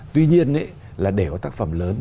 tuy nhiên là để có tác phẩm lớn